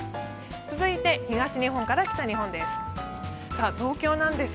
続いて東日本から北日本です。